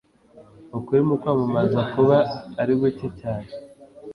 Ukuri mukwamamaza kuba ari guke cyane